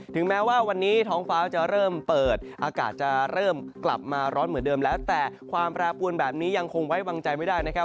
ถึงแม้ว่าวันนี้ท้องฟ้าจะเริ่มเปิดอากาศจะเริ่มกลับมาร้อนเหมือนเดิมแล้วแต่ความแปรปวนแบบนี้ยังคงไว้วางใจไม่ได้นะครับ